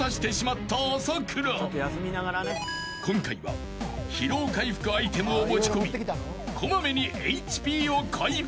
［今回は疲労回復アイテムを持ち込み小まめにＨＰを回復］